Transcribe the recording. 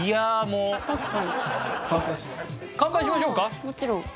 もちろん。